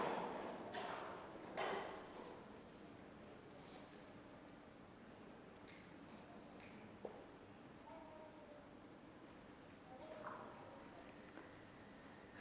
หมายเลข๑๐๐